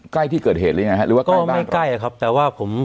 ใกล้ที่เกิดเหตุหรือยังไงฮะหรือว่าใกล้บ้านใกล้ครับแต่ว่าผม